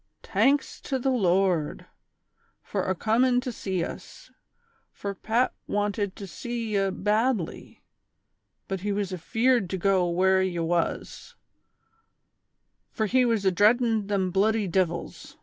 "Tanks to the Lord! fur acomin' to sea us, fur Pat "wanted to sea ye badly ; but he was afeard to go where ye was, fur he was adreadin' them bluddy divils